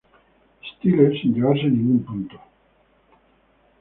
Styles, sin llevarse ningún punto.